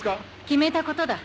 決めたことだ。